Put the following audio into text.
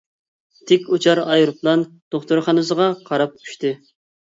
تىك ئۇچار ئايروپىلان دوختۇرخانىسىغا قاراپ ئۇچتى.